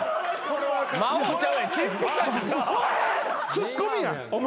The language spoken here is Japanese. ツッコミやん。